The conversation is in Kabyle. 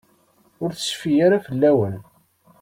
Ur tecfi ara fell-awen.